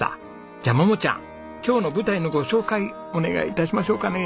じゃあ桃ちゃん今日の舞台のご紹介お願い致しましょうかね。